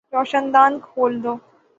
روشن دان کھول دو